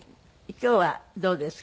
今日はどうですか？